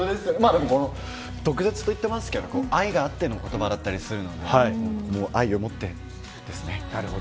毒舌といってますけど愛があっての言葉だったりするので愛を持ってですね。